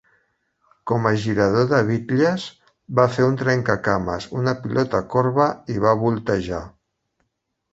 Com a girador de bitlles, va fer un trenca cames, una pilota corba i va voltejar.